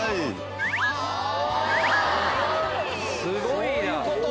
すごいな。